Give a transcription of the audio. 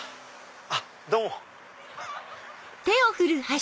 あっどうも！